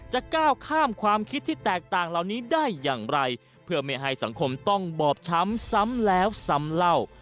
จะก้าวข้ามความคิดที่แตกต่างเหล่านี้ได้อย่างไรเพื่อไม่ให้สังคมต้องบอบช้ำซ้ำแล้วซ้ำเล่า